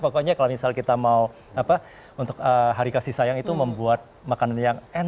pokoknya kalau misal kita mau untuk hari kasih sayang itu membuat makanan yang enak